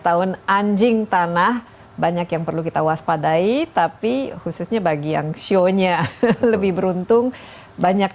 tahun anjing tanah banyak yang perlu kita waspadai tapi khususnya bagi yang show nya lebih beruntung banyak